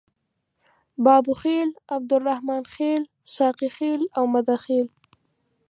بابوخیل، عبدالرحمن خیل، ساقي خیل او مده خیل.